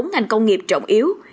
bốn thành công nghiệp trọng yếu